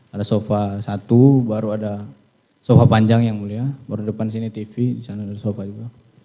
ada sofa satu baru ada sofa panjang yang mulia baru depan sini tv di sana ada sofa juga